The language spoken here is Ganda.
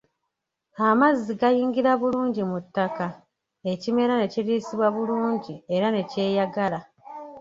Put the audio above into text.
Amazzi gayingira bulungi mu ttak ekimera ne kiriisibwa bulungi era ne kyeyagala.